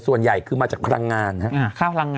ส่วนใหญ่คือมาจากพลังงานครับ